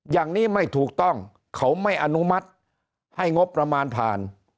อย่างนี้ไม่ถูกต้องเขาไม่อนุมัติให้งบประมาณผ่าน